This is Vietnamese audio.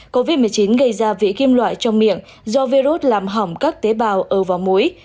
covid một mươi chín gây ra vị kim loại trong miệng do virus làm hỏng các tế bào ở muối